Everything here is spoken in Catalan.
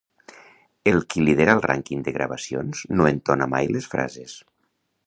El qui lidera el rànquing de gravacions no entona mai les frases